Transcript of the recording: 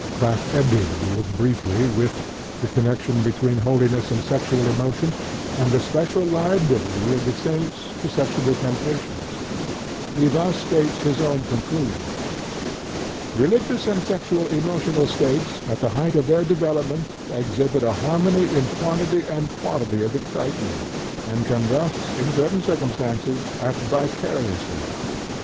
Krafft Ebing deals briefly with the connection between holiness and the sexual emotion, and the special liability of the saints to sexual temptations; he thus states his own conclusions: "Religious and sexual emotional states at the height of their development exhibit a harmony in quantity and quality of excitement, and can thus in certain circumstances act vicariously.